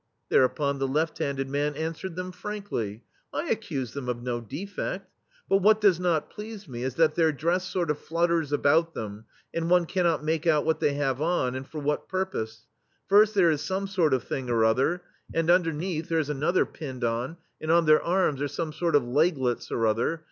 Thereupon the left handed man an swered them frankly :" I accuse them of no defedt, but what does not please me is that their dress sort of flutters about them, and one cannot make out what they have on, and for what pur pose; first there is some sort of thing or other, and underneath there *s another THE STEEL FLEA pinned on, and on their arms are some sort of leglets or other.